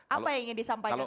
apa yang ingin disampaikan